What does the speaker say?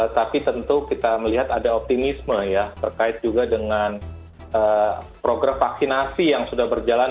tapi tentu kita melihat ada optimisme ya terkait juga dengan program vaksinasi yang sudah berjalan